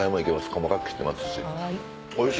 細かく切ってますし。